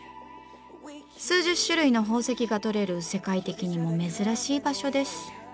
数十種類の宝石がとれる世界的にも珍しい場所です。